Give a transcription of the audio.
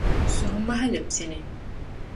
Suhumahili pini.